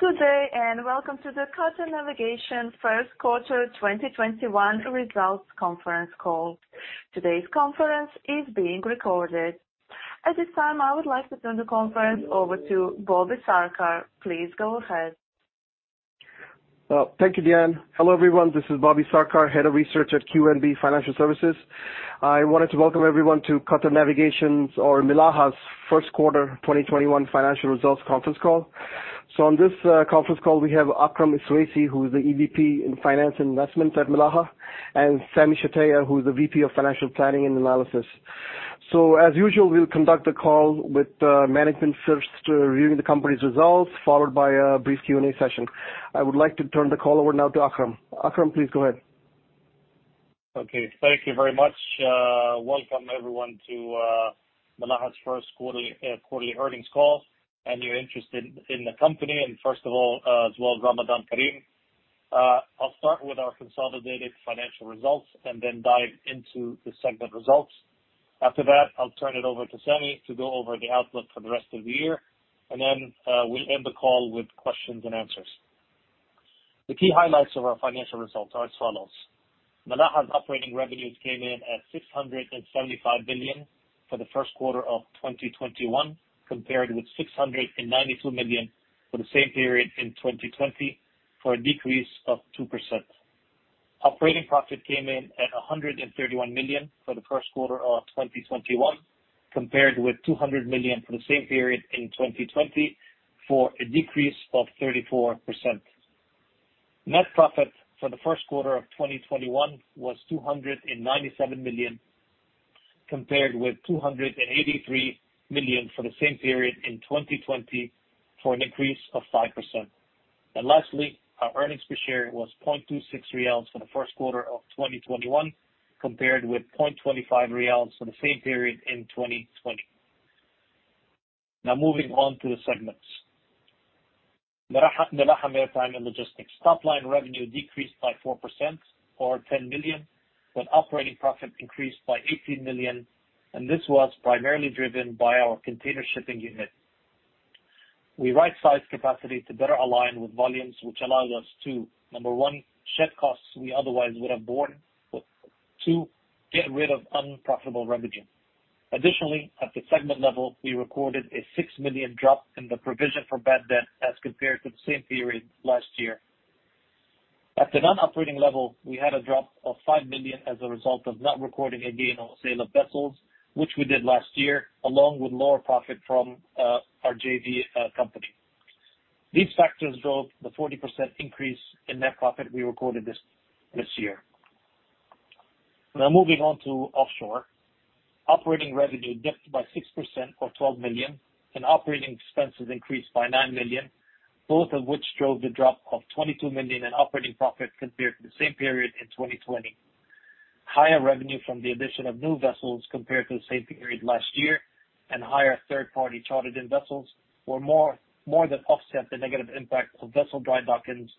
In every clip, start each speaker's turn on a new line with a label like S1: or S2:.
S1: Good day, welcome to the Qatar Navigation first quarter 2021 results conference call. Today's conference is being recorded. At this time, I would like to turn the conference over to Bobby Sarkar. Please go ahead.
S2: Thank you, Diane. Hello, everyone. This is Bobby Sarkar, Head of Research at QNB Financial Services. I wanted to welcome everyone to Qatar Navigation's or Milaha's first quarter 2021 financial results conference call. On this conference call, we have Akram Iswaisi, who is the EVP in Finance and Investment at Milaha, and Sami Shtayyeh, who is the VP of Financial Planning and Analysis. As usual, we'll conduct the call with management first reviewing the company's results, followed by a brief Q&A session. I would like to turn the call over now to Akram. Akram, please go ahead.
S3: Okay. Thank you very much. Welcome, everyone, to Milaha's first quarterly earnings call, and your interest in the company. First of all, as well, Ramadan Kareem. I'll start with our consolidated financial results and then dive into the segment results. After that, I'll turn it over to Sami to go over the outlook for the rest of the year. Then, we'll end the call with questions and answers. The key highlights of our financial results are as follows. Milaha's operating revenues came in at 675 million for the first quarter of 2021, compared with 692 million for the same period in 2020, for a decrease of 2%. Operating profit came in at 131 million for the first quarter of 2021, compared with 200 million for the same period in 2020, for a decrease of 34%. Net profit for the first quarter of 2021 was 297 million, compared with 283 million for the same period in 2020, for an increase of 5%. Lastly, our earnings per share was QAR 0.26 for the first quarter of 2021, compared with QAR 0.25 for the same period in 2020. Moving on to the segments. Milaha Maritime & Logistics. Top-line revenue decreased by 4%, or 10 million, but operating profit increased by 18 million, and this was primarily driven by our container shipping unit. We right-sized capacity to better align with volumes, which allowed us to, number one, shed costs we otherwise would have borne. Two, get rid of unprofitable revenue. Additionally, at the segment level, we recorded a 6 million drop in the provision for bad debt as compared to the same period last year. At the non-operating level, we had a drop of 5 million as a result of not recording a gain on sale of vessels, which we did last year, along with lower profit from our JV company. These factors drove the 40% increase in net profit we recorded this year. Now moving on to offshore. Operating revenue dipped by 6%, or 12 million, and operating expenses increased by 9 million, both of which drove the drop of 22 million in operating profit compared to the same period in 2020. Higher revenue from the addition of new vessels compared to the same period last year and higher third-party chartered-in vessels more than offset the negative impact of vessel dry dockings,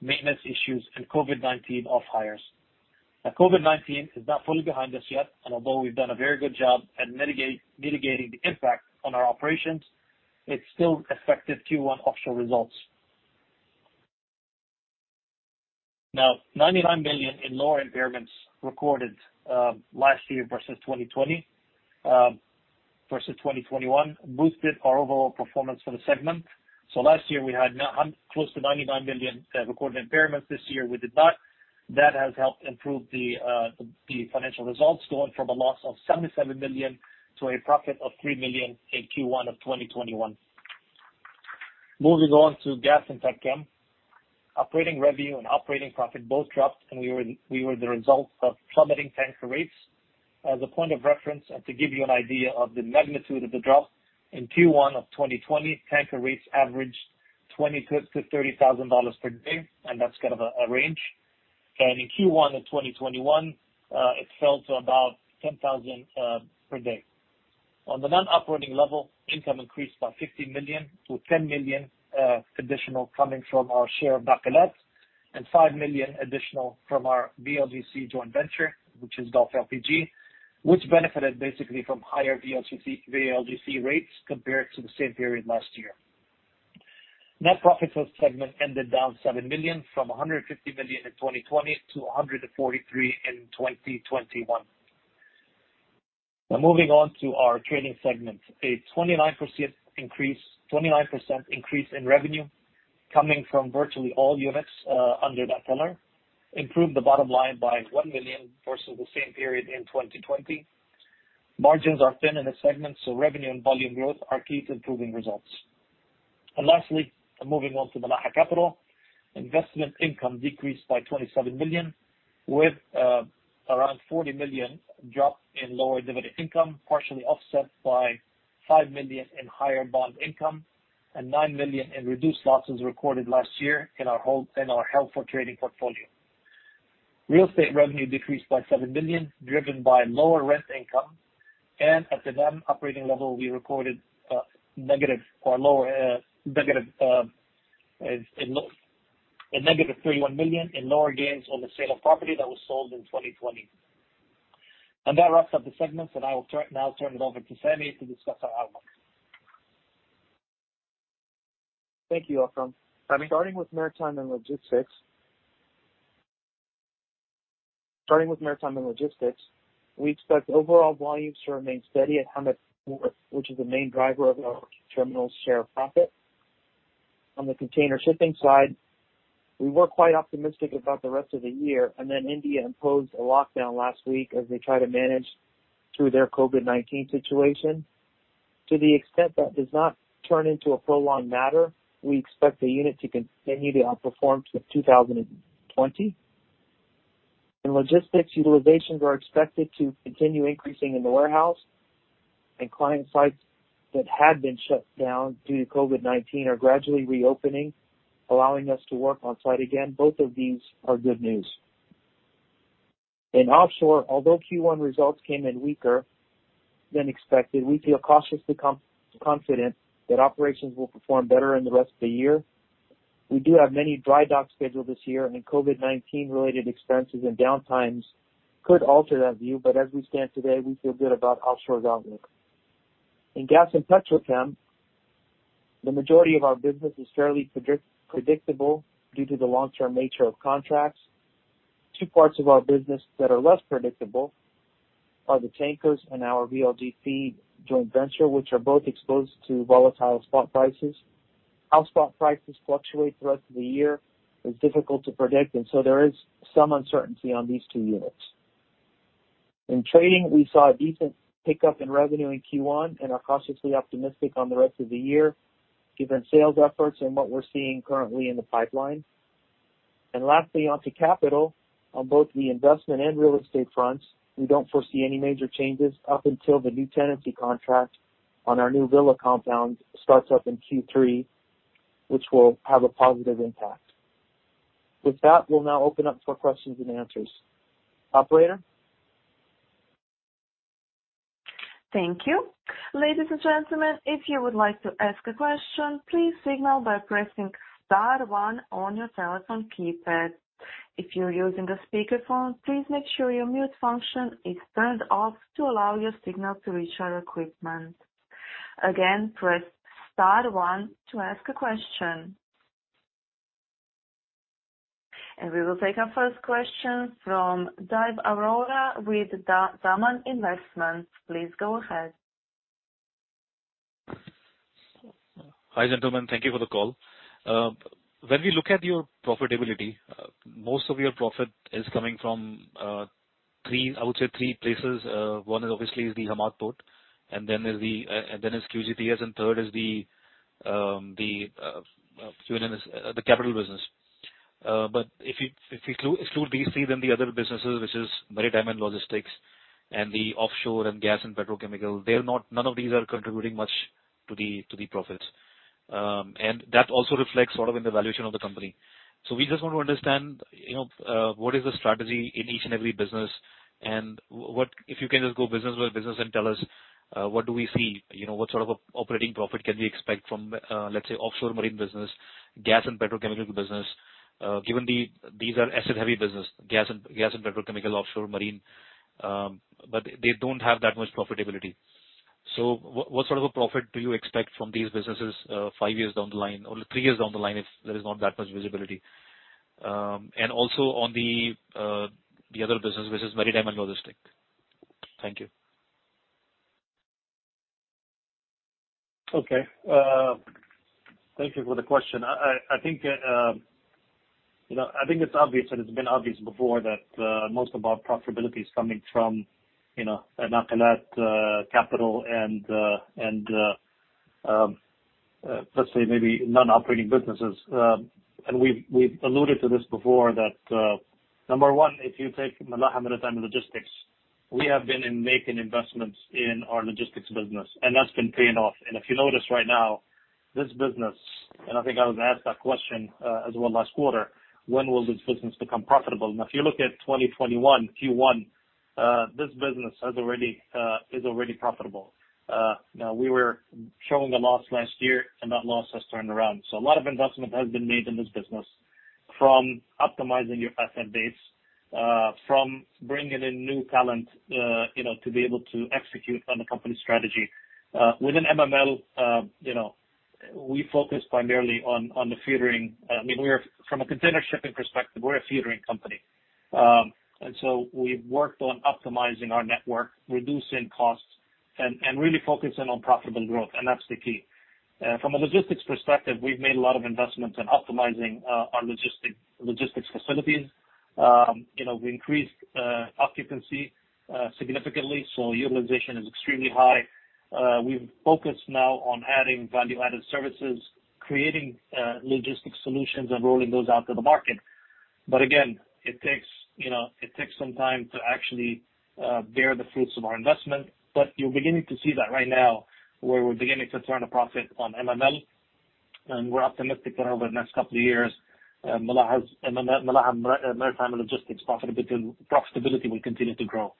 S3: maintenance issues, and COVID-19 off-hires. COVID-19 is not fully behind us yet, and although we've done a very good job at mitigating the impact on our operations, it still affected Q1 offshore results. 99 million in lower impairments recorded last year versus 2021 boosted our overall performance for the segment. Last year, we had close to 99 million recorded impairments. This year, we did not. That has helped improve the financial results, going from a loss of 77 million to a profit of 3 million in Q1 of 2021. Moving on to Gas and Petchem. Operating revenue and operating profit both dropped and we were the results of plummeting tanker rates. As a point of reference, and to give you an idea of the magnitude of the drop, in Q1 of 2020, tanker rates averaged $20,000-$30,000 per day, and that's kind of a range. In Q1 of 2021, it fell to about $10,000 per day. On the non-operating level, income increased by 50 million, with 10 million additional coming from our share of Nakilat and 5 million additional from our VLGC joint venture, which is Gulf LPG, which benefited basically from higher VLGC rates compared to the same period last year. Net profit for the segment ended down 7 million from 150 million in 2020 to 143 million in 2021. Moving on to our trading segment. A 29% increase in revenue coming from virtually all units under that banner improved the bottom line by 1 million versus the same period in 2020. Margins are thin in this segment, so revenue and volume growth are key to improving results. Lastly, moving on to Milaha Capital. Investment income decreased by 27 million, with around 40 million drop in lower dividend income, partially offset by 5 million in higher bond income and 9 million in reduced losses recorded last year in our held-for-trading portfolio. Real estate revenue decreased by 7 million, driven by lower rent income. At the non-operating level, we recorded a negative 31 million in lower gains on the sale of property that was sold in 2020. That wraps up the segments, I will now turn it over to Sami to discuss our outlook.
S4: Thank you, Akram. Starting with Maritime and Logistics, we expect overall volumes to remain steady at Hamad Port, which is the main driver of our terminal share profit. On the container shipping side, we were quite optimistic about the rest of the year, and then India imposed a lockdown last week as they try to manage through their COVID-19 situation. To the extent that does not turn into a prolonged matter, we expect the unit to continue to outperform 2020. In logistics, utilizations are expected to continue increasing in the warehouse, and client sites that had been shut down due to COVID-19 are gradually reopening, allowing us to work on-site again. Both of these are good news. In offshore, although Q1 results came in weaker than expected, we feel cautiously confident that operations will perform better in the rest of the year. We do have many dry docks scheduled this year, and COVID-19 related expenses and downtimes could alter that view, but as we stand today, we feel good about Offshore's outlook. In Gas & Petrochem, the majority of our business is fairly predictable due to the long-term nature of contracts. Two parts of our business that are less predictable are the tankers and our VLGC joint venture, which are both exposed to volatile spot prices. How spot prices fluctuate throughout the year is difficult to predict, and so there is some uncertainty on these two units. In Trading, we saw a decent pickup in revenue in Q1 and are cautiously optimistic on the rest of the year, given sales efforts and what we're seeing currently in the pipeline. Lastly, on to Capital. On both the investment and real estate fronts, we don't foresee any major changes up until the new tenancy contract on our new villa compound starts up in Q3, which will have a positive impact. With that, we'll now open up for questions and answers. Operator?
S1: Thank you. Ladies and gentlemen, if you would like to ask a question, please signal by pressing star one on your telephone keypad. If you're using a speakerphone, please make sure your mute function is turned off to allow your signal to reach our equipment. Again, press star one to ask a question. We will take our first question from Divye Arora with Daman Investments. Please go ahead.
S5: Hi, gentlemen. Thank you for the call. When we look at your profitability, most of your profit is coming from, I would say, three places. One is obviously is the Hamad Port, and then is QGTC, and third is the Capital business. If you exclude these three, then the other businesses, which is Maritime and Logistics and the offshore and Gas and Petrochemical, none of these are contributing much to the profits. That also reflects in the valuation of the company. We just want to understand, what is the strategy in each and every business? If you can just go business by business and tell us what do we see? What sort of operating profit can we expect from, let's say, offshore marine business, Gas and Petrochemical business, given these are asset-heavy business, Gas and Petrochemical, offshore marine, but they don't have that much profitability. What sort of a profit do you expect from these businesses five years down the line or three years down the line, if there is not that much visibility? Also on the other business, which is Maritime & Logistics. Thank you.
S3: Okay. Thank you for the question. I think it's obvious, and it's been obvious before, that most of our profitability is coming from Milaha Capital and, let's say, maybe non-operating businesses. We've alluded to this before, that number one, if you take Milaha Maritime & Logistics, we have been making investments in our logistics business, and that's been paying off. If you notice right now, this business, and I think I was asked that question as well last quarter, when will this business become profitable? If you look at 2021, Q1, this business is already profitable. We were showing a loss last year, and that loss has turned around. A lot of investment has been made in this business from optimizing your asset base, from bringing in new talent to be able to execute on the company strategy. Within MML, we focus primarily on the feedering. I mean, from a container shipping perspective, we're a feedering company. We've worked on optimizing our network, reducing costs, and really focusing on profitable growth, and that's the key. From a logistics perspective, we've made a lot of investments in optimizing our logistics facilities. We increased occupancy significantly, utilization is extremely high. We've focused now on adding value-added services, creating logistics solutions, and rolling those out to the market. Again, it takes some time to actually bear the fruits of our investment. You're beginning to see that right now, where we're beginning to turn a profit on MML, and we're optimistic that over the next couple of years, Milaha Maritime & Logistics profitability will continue to grow.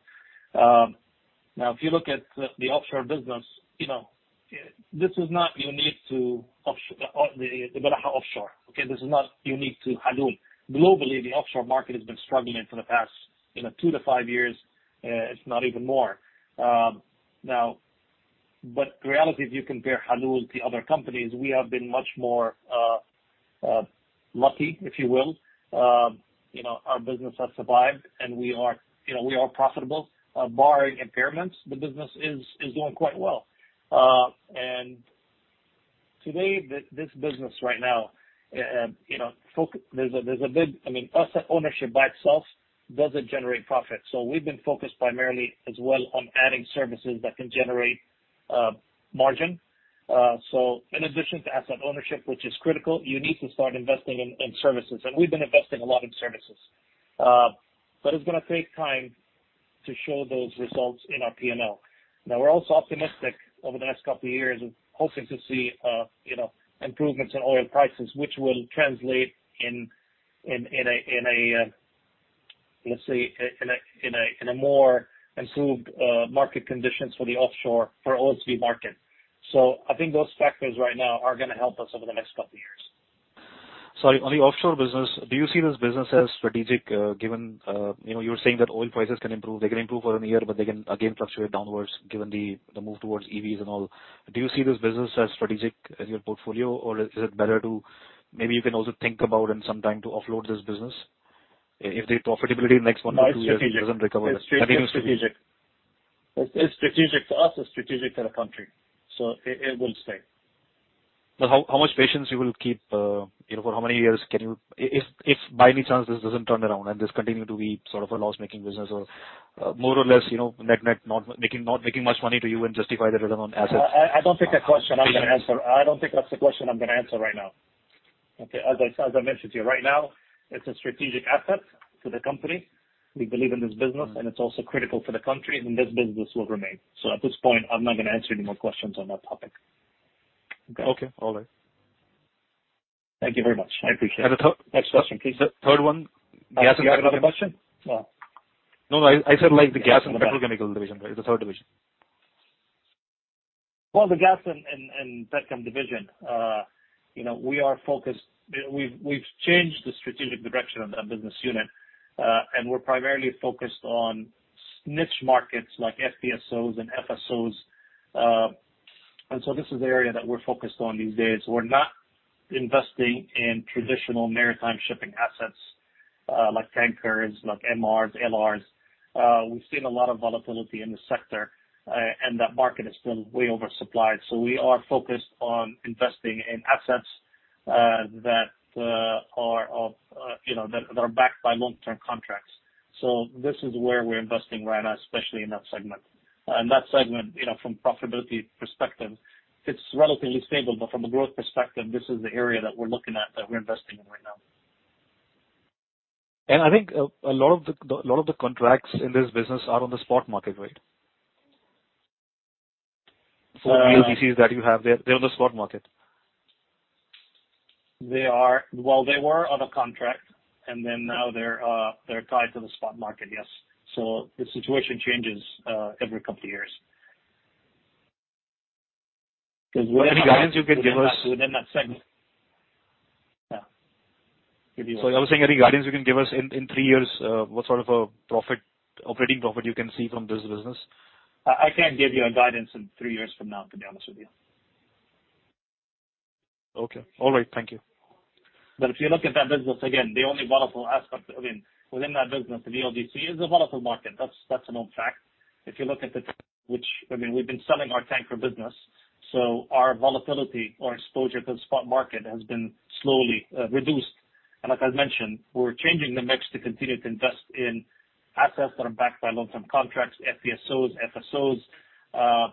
S3: If you look at the offshore business, this is not unique to the Milaha offshore. Okay? This is not unique to Halul. Globally, the offshore market has been struggling for the past two to five years, if not even more. The reality is, if you compare Halul to other companies, we have been much more lucky, if you will. Our business has survived, and we are profitable. Barring impairments, the business is doing quite well. Today, this business right now, asset ownership by itself doesn't generate profit. We've been focused primarily as well on adding services that can generate margin. In addition to asset ownership, which is critical, you need to start investing in services. We've been investing a lot in services. It's going to take time to show those results in our P&L. Now, we're also optimistic over the next couple of years of hoping to see improvements in oil prices, which will translate in, let's say, in a more improved market conditions for the offshore, for OSV market. I think those factors right now are going to help us over the next couple of years.
S5: Sorry. On the offshore business, do you see this business as strategic? You were saying that oil prices can improve. They can again fluctuate downwards given the move towards EVs and all. Do you see this business as strategic in your portfolio, or is it better to maybe you can also think about in some time to offload this business if the profitability in the next one to two years doesn't recover?
S3: No, it's strategic. It's strategic. For us, it's strategic for the country. It will stay.
S5: How much patience you will keep? For how many years can you if by any chance this doesn't turn around and this continue to be sort of a loss-making business or more or less, net net, not making much money to you and justify the return on assets?
S3: I don't think that's the question I'm going to answer right now. Okay. As I mentioned to you, right now it's a strategic asset to the company. We believe in this business, and it's also critical for the country, and this business will remain. At this point, I'm not going to answer any more questions on that topic. Okay.
S5: Okay. All right.
S3: Thank you very much. I appreciate it. Next question, please.
S5: The third one. Gas and Petrochemical.
S3: You have another question? No.
S5: No, I said like the Gas and Petrochemical division. The third division.
S3: The Gas & Petrochem division, we've changed the strategic direction of that business unit. We're primarily focused on niche markets like FPSOs and FSOs. This is the area that we're focused on these days. We're not investing in traditional maritime shipping assets like tankers, like MRs, LRs. We've seen a lot of volatility in the sector, and that market is still way oversupplied. We are focused on investing in assets that are backed by long-term contracts. This is where we're investing right now, especially in that segment. That segment, from profitability perspective, it's relatively stable, but from a growth perspective, this is the area that we're looking at, that we're investing in right now.
S5: I think a lot of the contracts in this business are on the spot market, right? For VLGCs that you have, they're on the spot market.
S3: Well, they were on a contract, now they're tied to the spot market, yes. The situation changes every couple of years.
S5: Any guidance you can give us?
S3: Within that segment. Yeah.
S5: I was saying, any guidance you can give us in three years? What sort of a operating profit you can see from this business?
S3: I can't give you a guidance in three years from now, to be honest with you.
S5: Okay. All right. Thank you.
S3: If you look at that business, again, the only volatile aspect within that business, the VLGC, is the volatile market. That's a known fact. If you look at the tanker, which we've been selling our tanker business. Our volatility or exposure to the spot market has been slowly reduced. Like I mentioned, we're changing the mix to continue to invest in assets that are backed by long-term contracts, FPSOs, FSOs.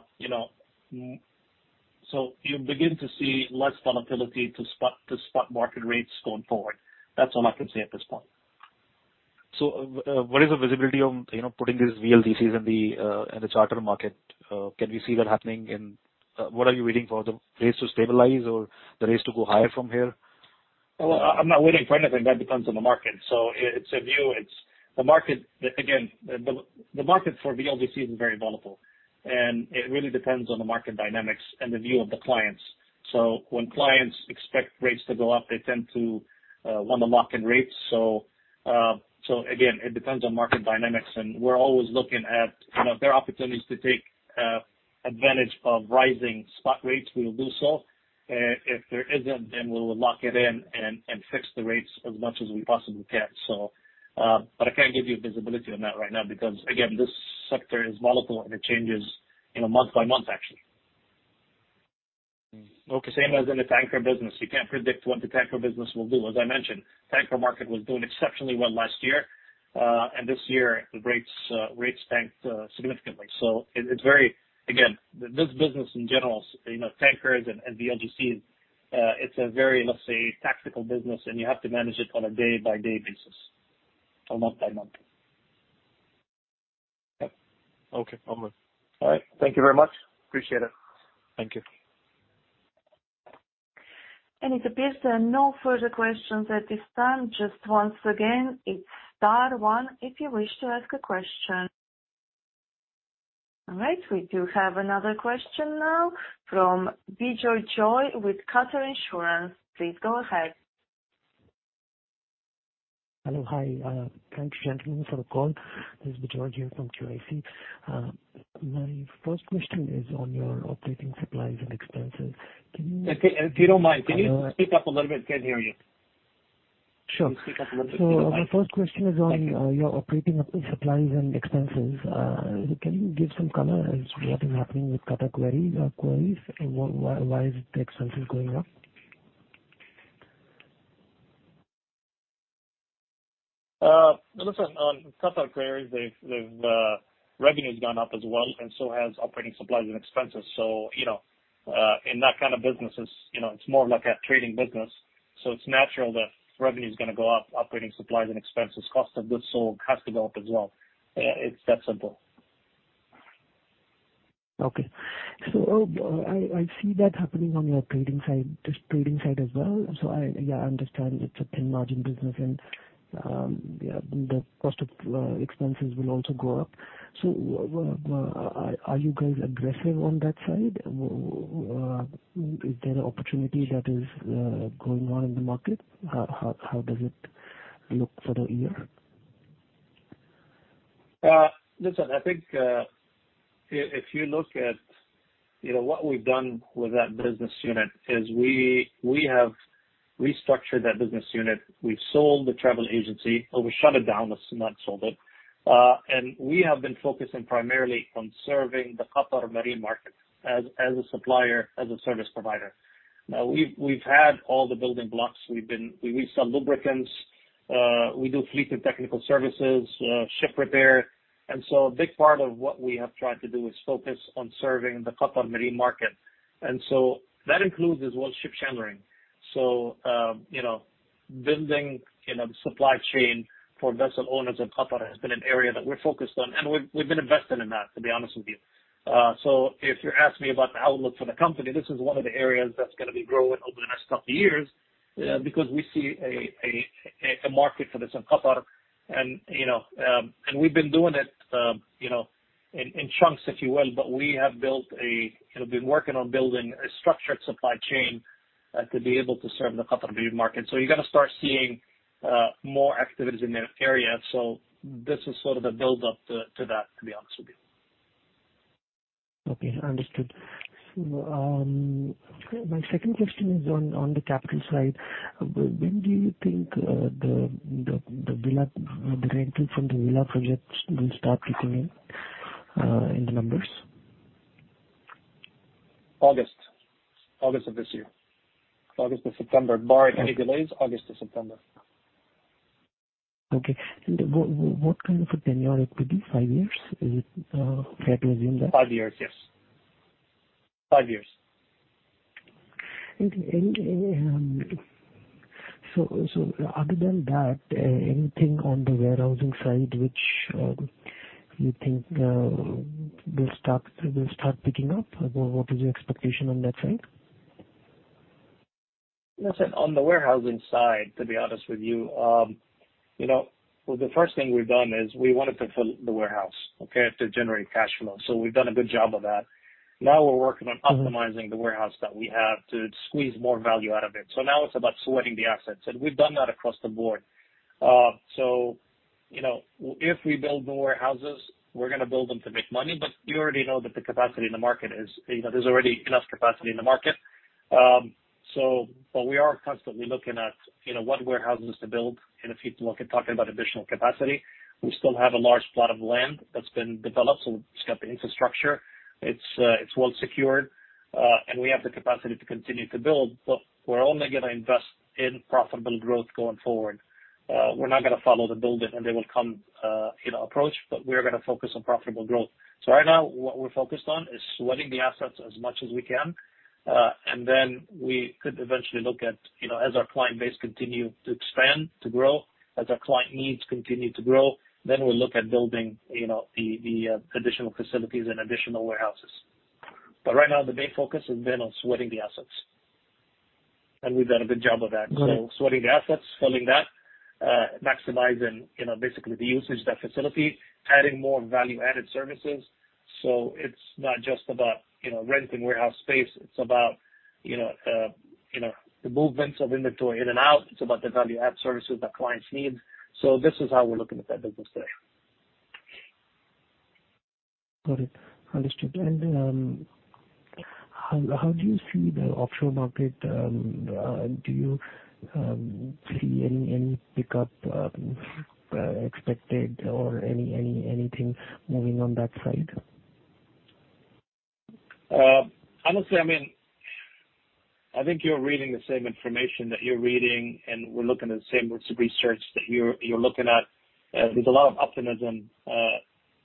S3: You'll begin to see less volatility to spot market rates going forward. That's all I can say at this point.
S5: What is the visibility on putting these VLGCs in the charter market? Can we see that happening? What are you waiting for? The rates to stabilize or the rates to go higher from here?
S3: Well, I'm not waiting for anything. That depends on the market. It's a view. Again, the market for VLGC is very volatile, and it really depends on the market dynamics and the view of the clients. When clients expect rates to go up, they tend to want to lock in rates. Again, it depends on market dynamics, and we're always looking at if there are opportunities to take advantage of rising spot rates, we will do so. If there isn't, then we'll lock it in and fix the rates as much as we possibly can. I can't give you visibility on that right now because, again, this sector is volatile, and it changes month by month, actually. Okay. Same as in the tanker business. You can't predict what the tanker business will do. As I mentioned, tanker market was doing exceptionally well last year. This year, the rates tanked significantly. Again, this business in general, tankers and VLGCs, it's a very, let's say, tactical business, and you have to manage it on a day-by-day basis or month-by-month.
S5: Yep. Okay. I'm good. All right. Thank you very much.
S3: Appreciate it.
S5: Thank you.
S1: It appears there are no further questions at this time. Just once again, it's star one if you wish to ask a question. All right, we do have another question now from Bijoy Joy with Qatar Insurance. Please go ahead.
S6: Hello. Hi. Thank you, gentlemen, for the call. This is Bijoy Joy from QIC. My first question is on your operating supplies and expenses.
S3: If you don't mind, can you speak up a little bit? Can't hear you.
S6: Sure.
S3: Can you speak up a little bit if you don't mind?
S6: My first question is on your operating supplies and expenses. Can you give some color as to what is happening with Qatar Quarries? Why is the expenses going up?
S3: Listen, on Qatar Quarries, revenue's gone up as well, and so has operating supplies and expenses. In that kind of business, it's more of like a trading business. It's natural that revenue's going to go up, operating supplies and expenses, cost of goods sold has to go up as well. It's that simple.
S6: Okay. I see that happening on your trading side as well. I understand it's a thin margin business and, the cost of expenses will also go up. Are you guys aggressive on that side? Is there an opportunity that is, going on in the market? How does it look for the year?
S3: Listen, I think, if you look at what we've done with that business unit, is we have restructured that business unit. We've sold the travel agency, or we shut it down this month, sold it. We have been focusing primarily on serving the Qatar Marine market as a supplier, as a service provider. We've had all the building blocks. We sell lubricants. We do fleet and technical services, ship repair. A big part of what we have tried to do is focus on serving the Qatar Marine market. That includes as well ship chandlery. Building the supply chain for vessel owners in Qatar has been an area that we're focused on, and we've been investing in that, to be honest with you. If you ask me about the outlook for the company, this is one of the areas that's going to be growing over the next couple of years, because we see a market for this in Qatar. We've been doing it in chunks, if you will. We have been working on building a structured supply chain to be able to serve the Qatar Marine market. You're going to start seeing more activities in that area. This is sort of a build-up to that, to be honest with you.
S6: Okay, understood. My second question is on the capital side. When do you think the rental from the villa projects will start kicking in the numbers?
S3: August. August of this year. August to September. Barring any delays, August to September.
S6: Okay. What kind of a tenure it will be, five years? Is it fair to assume that?
S3: Five years, yes. Five years.
S6: Other than that, anything on the warehousing side, which you think will start picking up? What is your expectation on that side?
S3: Listen, on the warehousing side, to be honest with you, the first thing we've done is we wanted to fill the warehouse, okay, to generate cash flow. We've done a good job of that. Now we're working on optimizing the warehouse that we have to squeeze more value out of it. Now it's about sweating the assets, and we've done that across the board. If we build more warehouses, we're going to build them to make money. We already know that there's already enough capacity in the market. We are constantly looking at what warehouses to build in the future. We're talking about additional capacity. We still have a large plot of land that's been developed, so it's got the infrastructure. It's well-secured. We have the capacity to continue to build, but we're only going to invest in profitable growth going forward. We're not going to follow the build it and they will come approach, but we're going to focus on profitable growth. Right now, what we're focused on is sweating the assets as much as we can. Then we could eventually look at, as our client base continue to expand, to grow, as our client needs continue to grow, then we'll look at building the additional facilities and additional warehouses. Right now, the main focus has been on sweating the assets. We've done a good job of that. Sweating the assets, filling that, maximizing basically the usage of that facility, adding more value-added services. It's not just about renting warehouse space, it's about the movements of inventory in and out. It's about the value-add services that clients need. This is how we're looking at that business today.
S6: Got it. Understood. How do you see the offshore market? Do you see any pickup expected or anything moving on that side?
S3: Honestly, I think you're reading the same information that you're reading, and we're looking at the same research that you're looking at. There's a lot of optimism,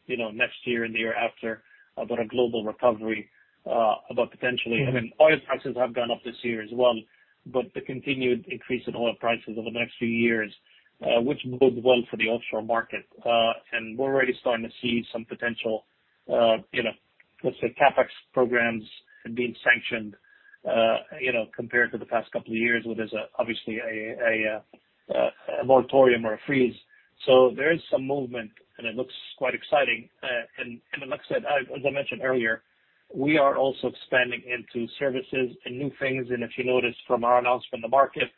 S3: next year and the year after, about a global recovery, about potentially, I mean, oil prices have gone up this year as well, but the continued increase in oil prices over the next few years, which bodes well for the offshore market. We're already starting to see some potential, let's say, CapEx programs have been sanctioned, compared to the past couple of years, where there's obviously a moratorium or a freeze. There is some movement, and it looks quite exciting. Like I said, as I mentioned earlier, we are also expanding into services and new things, and if you noticed from our announcement to market,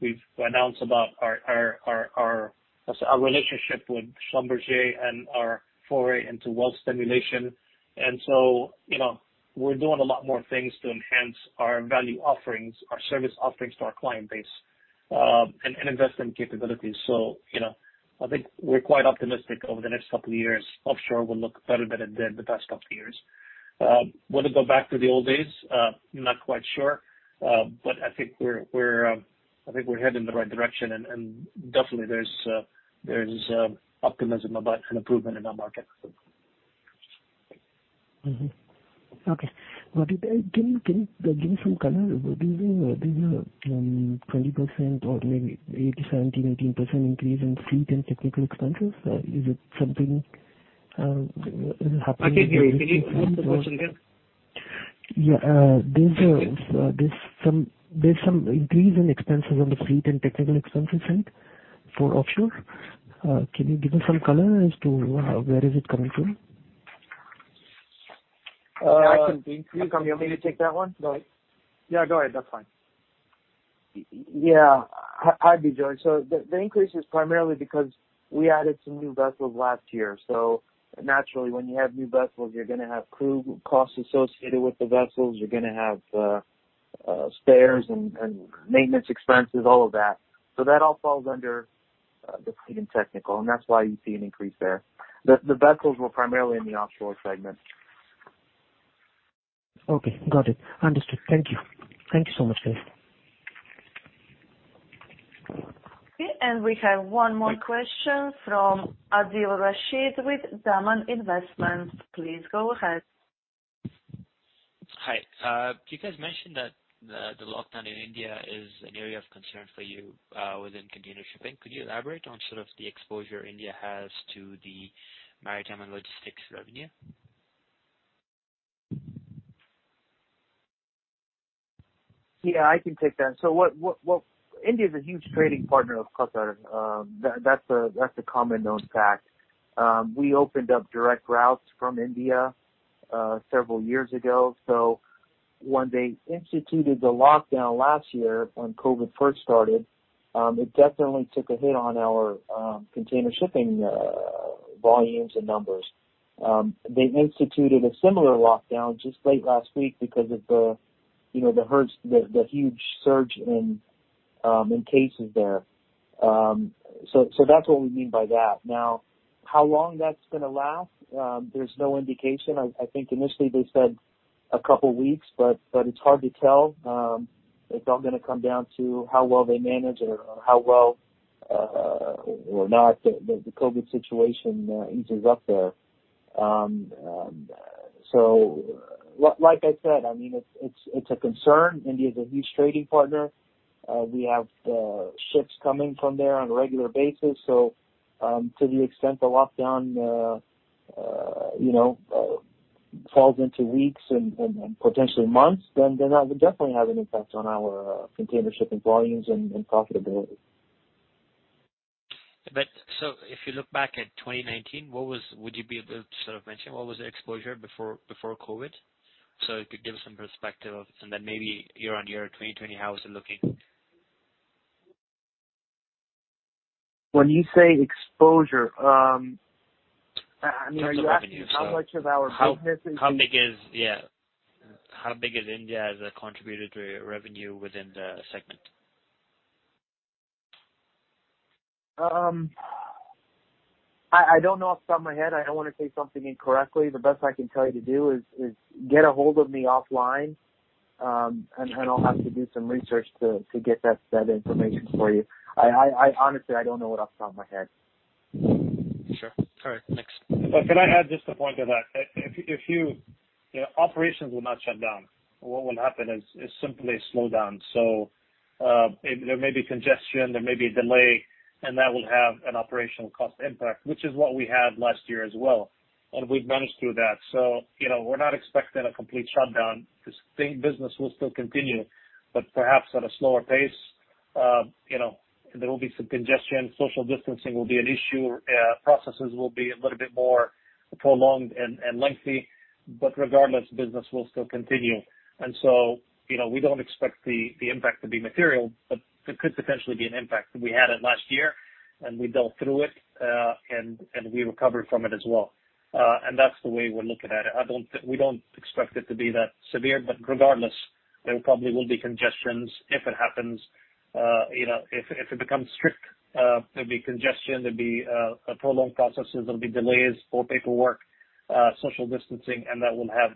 S3: we've announced about our relationship with Schlumberger and our foray into well stimulation. We're doing a lot more things to enhance our value offerings, our service offerings to our client base, and invest in capabilities. I think we're quite optimistic over the next couple of years. Offshore will look better than the past couple of years. Will it go back to the old days? Not quite sure. But I think we're headed in the right direction and definitely there's optimism about an improvement in our market.
S6: Okay. Can you give me some color? There's a 20% or maybe 17%, 18% increase in fleet and technical expenses. Is it something that is happening?
S3: I didn't hear. Can you repeat the question again?
S6: Yeah. There's some increase in expenses on the fleet and technical expenses front for offshore. Can you give me some color as to where is it coming from?
S4: I can take. Do you want me to take that one?
S3: Go ahead.
S4: Yeah, go ahead. That's fine. Yeah. Hi, Bijoy Joy. The increase is primarily because we added some new vessels last year. Naturally, when you have new vessels, you're going to have crew costs associated with the vessels. You're going to have spares and maintenance expenses, all of that. That all falls under the fleet and technical, and that's why you see an increase there. The vessels were primarily in the offshore segment.
S6: Okay. Got it. Understood. Thank you. Thank you so much.
S1: Okay, we have one more question from Adil Rashid with Daman Investments. Please go ahead.
S7: Hi. You guys mentioned that the lockdown in India is an area of concern for you, within container shipping. Could you elaborate on sort of the exposure India has to the Maritime and Logistics revenue?
S4: Yeah, I can take that. India's a huge trading partner of Qatar. That's a common known fact. We opened up direct routes from India several years ago. When they instituted the lockdown last year when COVID first started, it definitely took a hit on our container shipping volumes and numbers. They've instituted a similar lockdown just late last week because of the huge surge in cases there. That's what we mean by that. Now, how long that's going to last, there's no indication. I think initially they said a couple weeks, but it's hard to tell. It's all going to come down to how well they manage or how well, or not, the COVID situation eases up there. Like I said, it's a concern. India is a huge trading partner. We have ships coming from there on a regular basis. To the extent the lockdown falls into weeks and potentially months, then that would definitely have an impact on our container shipping volumes and profitability.
S7: If you look back at 2019, would you be able to sort of mention what was the exposure before COVID? It could give some perspective of, and then maybe year-on-year, 2020, how is it looking?
S4: When you say exposure, are you asking how much of our business?
S7: How big is, yeah. How big is India as a contributor to your revenue within the segment?
S4: I don't know off the top of my head. I don't want to say something incorrectly. The best I can tell you to do is get ahold of me offline, and I'll have to do some research to get that information for you. Honestly, I don't know it off the top of my head.
S7: Sure. All right. Thanks.
S3: Can I add just a point to that? Operations will not shut down. What will happen is simply a slowdown. There may be congestion, there may be a delay, and that will have an operational cost impact, which is what we had last year as well, and we've managed through that. We're not expecting a complete shutdown, because business will still continue, but perhaps at a slower pace. There will be some congestion, social distancing will be an issue, processes will be a little bit more prolonged and lengthy. Regardless, business will still continue. We don't expect the impact to be material, but there could potentially be an impact. We had it last year, and we dealt through it, and we recovered from it as well. That's the way we're looking at it. We don't expect it to be that severe, but regardless, there probably will be congestions if it happens. If it becomes strict, there'll be congestion, there'll be prolonged processes, there'll be delays for paperwork, social distancing, and that will have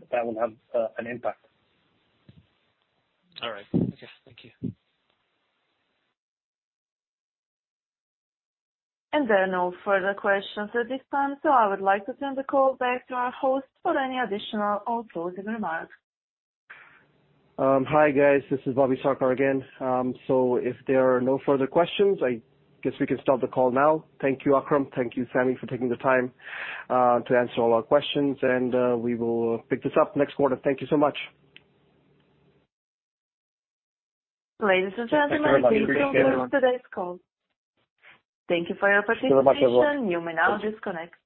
S3: an impact.
S7: All right. Okay. Thank you.
S1: There are no further questions at this time, so I would like to turn the call back to our host for any additional or closing remarks.
S2: Hi, guys. This is Bobby Sarkar again. If there are no further questions, I guess we can stop the call now. Thank you, Akram. Thank you, Sami, for taking the time to answer all our questions, and we will pick this up next quarter. Thank you so much.
S1: Ladies and gentlemen.
S4: Thanks, everybody. Appreciate it.
S1: Thank you for today's call. Thank you for your participation. You may now disconnect.